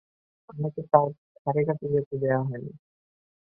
আমাকে তার ধারে-কাছেও যেতে দেয় না।